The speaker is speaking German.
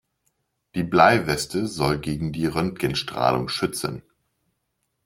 Die Bleiweste soll gegen die Röntgenstrahlung schützen.